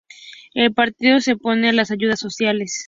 El partido se opone a las ayudas sociales.